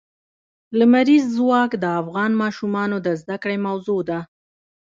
لمریز ځواک د افغان ماشومانو د زده کړې موضوع ده.